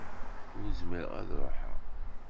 Ur zmireɣ ad ruḥeɣ.